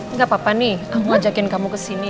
enggak apa apa nih aku ajakin kamu kesini